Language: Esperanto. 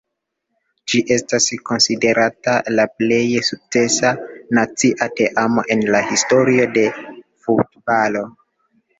Ĝi estas konsiderata la plej sukcesa nacia teamo en la historio de futbalo.